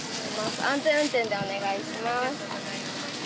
安全運転でお願いします。